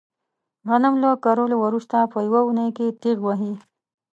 غنم له کرلو ورسته په یوه اونۍ کې تېغ وهي.